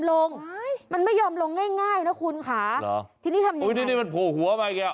โอ้โฮนี่มันโผ่หัวมาอีกแล้วใช่ค่ะโอ้โฮนี่มันโผ่หัวมาอีกแล้ว